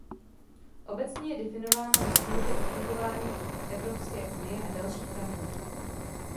Obecně je definována ve Smlouvě o fungování Evropské unie a dalších pramenech.